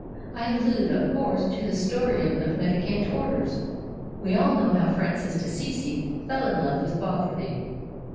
I allude, of course, to the story of the Mendicant Orders. We all know how Francis d'Assisi fell in love with Poverty.